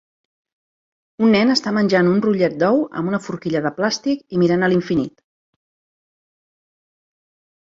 Un nen està menjant un rotllet d'ou amb una forquilla de plàstic i mirant a l'infinit.